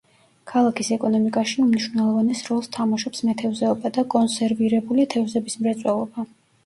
ქალაქის ეკონომიკაში უმნიშვნელოვანეს როლს თამაშობს მეთევზეობა და კონსერვირებული თევზების მრეწველობა.